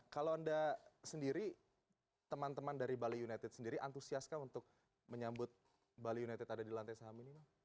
kalau anda sendiri teman teman dari bali united sendiri antusiaskah untuk menyambut bali united ada di lantai saham ini